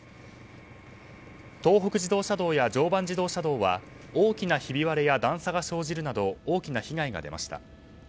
東北自動車道や常磐自動車道は大きなひび割れや段差が生じるなど大きな被害が出ました。